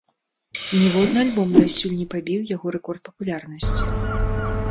Ніводны альбом дасюль не пабіў яго рэкорд папулярнасці.